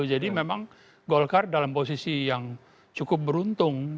jadi memang golkar dalam posisi yang cukup beruntung